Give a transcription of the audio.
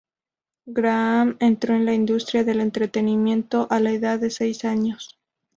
Graham entró en la industria del entretenimiento a la edad de seis años.